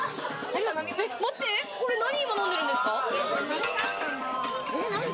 今、何飲んでるんですか？